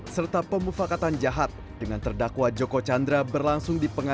sedangkan terdakwa joko chandra dalam tanggapannya